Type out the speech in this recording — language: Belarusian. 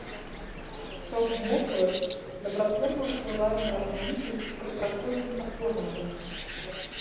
Сок морквы дабратворна ўплывае на арганізм пры прастудных захворваннях.